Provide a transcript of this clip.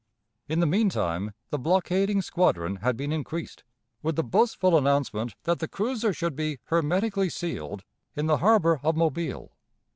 In the mean time the blockading squadron had been increased, with the boastful announcement that the cruiser should be "hermetically sealed" in the harbor of Mobile.